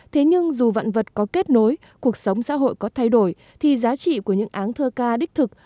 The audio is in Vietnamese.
thế nhưng dù vạn vật có kết nối cuộc sống xã hội có thay đổi thì giá trị của những áng thơ ca đích thực